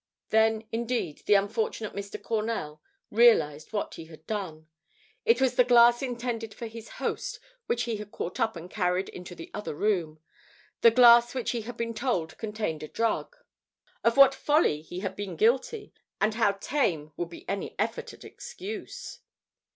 Then indeed, the unfortunate Mr. Cornell realized what he had done. It was the glass intended for his host which he had caught up and carried into the other room the glass which he had been told contained a drug. Of what folly he had been guilty, and how tame would be any effort at excuse!